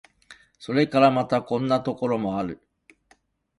それからまた、こんなところもある。